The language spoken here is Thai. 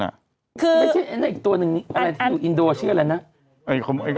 ไม่ใช่อันนั้นอีกตัวหนึ่งอันที่อินโดว่าเชื่ออะไรนะ